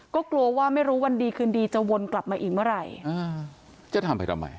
ก็กลัวว่าไม่รู้วันดีคืนดีจะวนกลับมาอีกเมื่อไหร่จะทำไปทำไม